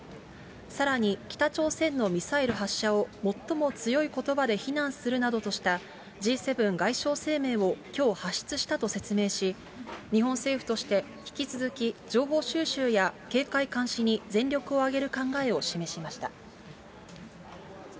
さらに北朝鮮のミサイル発射を最も強いことばで非難するなどとしたＧ７外相声明をきょう発出したと説明し、日本政府として、引き続き情報収集や警戒監視に全力を挙げる考えを示しました。